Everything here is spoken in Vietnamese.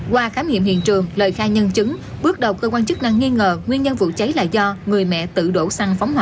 qua khám nghiệm hiện trường lời khai nhân chứng bước đầu cơ quan chức năng nghi ngờ nguyên nhân vụ cháy là do người mẹ tự đổ xăng phóng hỏa